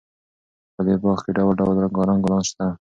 په دې باغ کې ډول ډول رنګارنګ ګلان شته.